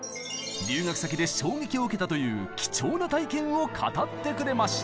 留学先で衝撃を受けたという貴重な体験を語ってくれました。